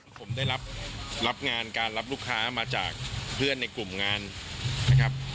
ผมได้รับงานการรับลูกค้ามาจากเพื่อนในกลุ่มงานนะครับ